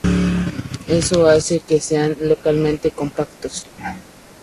Eso hace que sean localmente compactos.